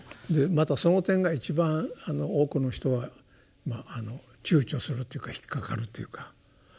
またその点が一番多くの人がちゅうちょするっていうか引っ掛かるというか。